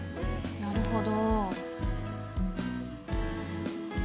なるほど。